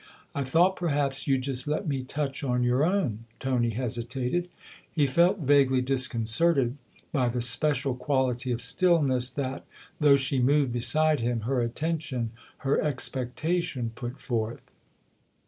I thought perhaps you'd just let me touch on your own." Tony hesitated ; he felt vaguely disconcerted by the special quality of stillness that, though she moved beside him, her attention, her expectation put forth.